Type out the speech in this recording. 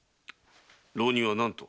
浪人は何と？